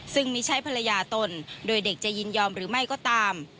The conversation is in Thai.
ซึ่งไม่ใช่ภรรยาตนโดยเด็กจะยินยอมหรือไม่ก็ตาม